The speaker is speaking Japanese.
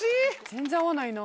全然合わないな。